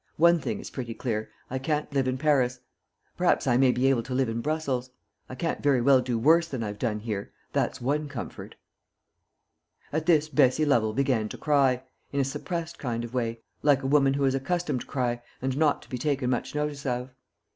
One thing is pretty clear I can't live in Paris. Perhaps I may be able to live in Brussels. I can't very well do worse than I've done here that's one comfort." At this Bessie Lovel began to cry in a suppressed kind of way, like a woman who is accustomed to cry and not to be taken much notice of.